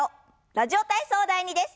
「ラジオ体操第２」です。